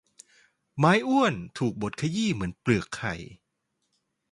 ไม้อ้วนถูกบดขยี้เหมือนเปลือกไข่